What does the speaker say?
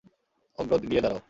অগ্র গিয়ে দাড়াও।